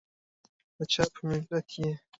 دچا په ملت یي؟